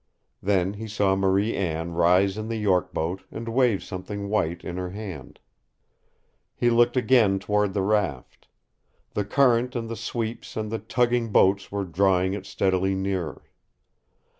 Then he saw Marie Anne rise in the York boat and wave something white in her hand. He looked again toward the raft. The current and the sweeps and the tugging boats were drawing it steadily nearer.